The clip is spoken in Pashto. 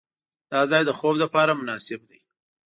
دا ځای د خوب لپاره مناسب دی.